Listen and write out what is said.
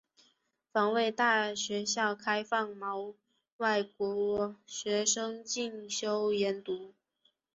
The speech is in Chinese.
防卫大学校开放予外国学生进修研读。